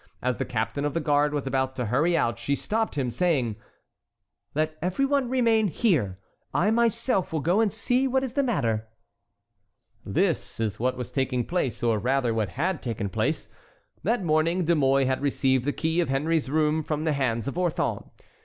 As the captain of the guard was about to hurry out, she stopped him, saying: "Let every one remain here. I myself will go and see what is the matter." This is what was taking place, or rather what had taken place. That morning De Mouy had received the key of Henry's room from the hands of Orthon.